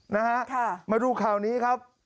นะฮะมาดูข่าวนี้ครับ